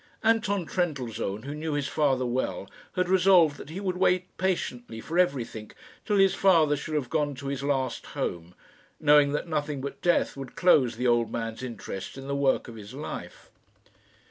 Anton Trendellsohn, who knew his father well, had resolved that he would wait patiently for everything till his father should have gone to his last home, knowing that nothing but death would close the old man's interest in the work of his life.